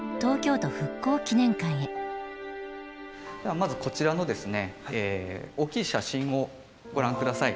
まずこちらの大きい写真をご覧下さい。